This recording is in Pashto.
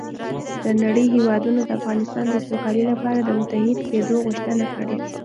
د نړۍ هېوادونو د افغانستان د سوکالۍ لپاره د متحد کېدو غوښتنه کړې